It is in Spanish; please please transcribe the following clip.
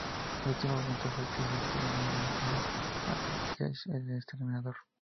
Su última voluntad fue que se escribiera en su lápida: "Aquí yace el exterminador".